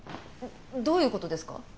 どういう事ですか？